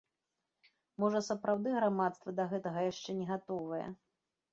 Можа сапраўды грамадства да гэтага яшчэ не гатовае?